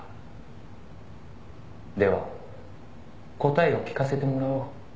「では答えを聞かせてもらおう」